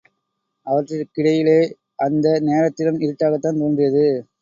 அவற்றிற்கிடையிலே அந்த நேரத்திலும் இருட்டாகத்தான் தோன்றியது.